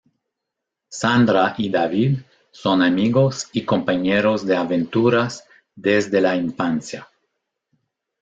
Sandra y David son amigos y compañeros de aventuras desde la infancia.